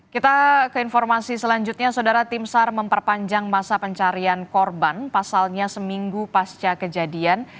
kita ke informasi selanjutnya saudara tim sar memperpanjang masa pencarian korban pasalnya seminggu pasca kejadian